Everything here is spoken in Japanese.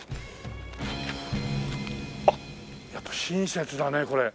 あっやっぱ親切だねこれ。